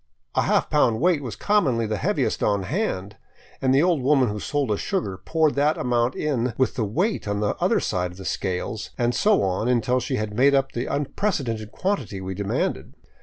A half pound weight was commonly the heaviest on hand, and the old woman who sold us sugar poured that amount in with the weight in the other side of the scales, and so on until she had made up the unprecedented quantity we demanded.